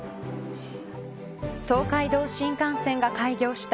東海道新幹線が開業した